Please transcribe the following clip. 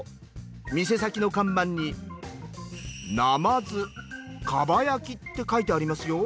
店先の看板に「なまずかば焼」って書いてありますよ。